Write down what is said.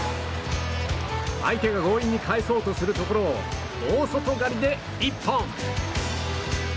相手が強引に返そうとするところを大外刈りで一本！